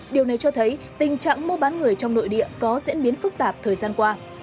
điều này cho thấy tình trạng mua bán người trong nội địa có diễn biến phức tạp thời gian qua